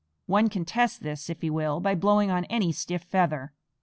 One can test this, if he will, by blowing on any stiff feather.